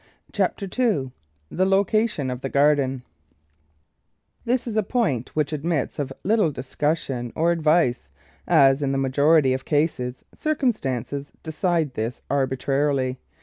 CHAPTER TWO THE LOCATION OF THE GARDEN 1 HIS is a point which admits of httle discussion or advice, as, in the majority of cases, circmnstances decide this arbitrarily.